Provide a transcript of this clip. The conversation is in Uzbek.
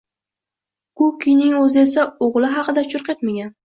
Kukining o`zi esa o`g`li haqida churq etmagan